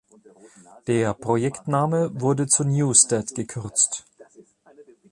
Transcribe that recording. Der Projektname wurde zu Newsted gekürzt.